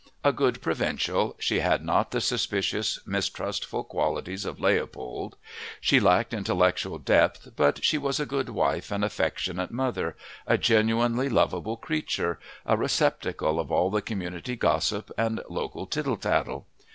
A good provincial, she had not the suspicious, mistrustful qualities of Leopold. She lacked intellectual depth, but she was a good wife and affectionate mother, a genuinely lovable creature, a receptacle of all the community gossip and local tittle tattle.